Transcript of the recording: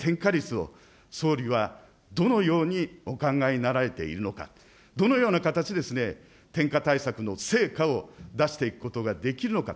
この低い転嫁率を総理はどのようにお考えになられているのか、どのような形で転嫁対策の成果を出していくことができるのか。